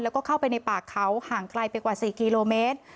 แล้วก็เข้าไปในป่าเขาห่างไกลไปกว่า๔กิโลเมตร